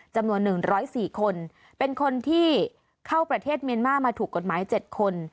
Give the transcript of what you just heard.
จำนวนหนึ่งร้อยสี่คนเป็นคนที่เข้าประเทศเมียนมาร์มาถูกกฎหมายเจ็ดคน